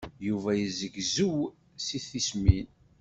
Yuba yezzegzew si tismin.